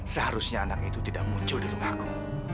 seharusnya anak itu tidak muncul di rumahku